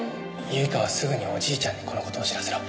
唯香はすぐにおじいちゃんにこの事を知らせろ。